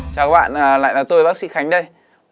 chào các bạn lại là tôi bác sĩ khánh đây